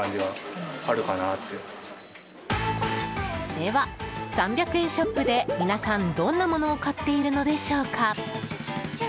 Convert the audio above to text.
では、３００円ショップで皆さん、どんなものを買っているのでしょうか？